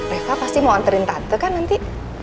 reva pasti mau anterin tante kan nanti